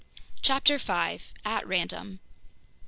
CHAPTER 5 At Random!